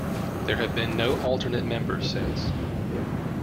There have been no alternate members since.